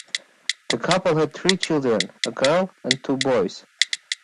The couple had three children, a girl and two boys.